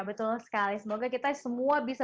betul sekali semoga kita semua bisa